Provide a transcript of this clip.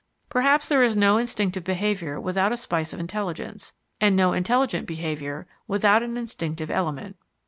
Perhaps there is no instinctive behaviour without a spice of intelligence, and no intelligent behaviour without an instinctive element.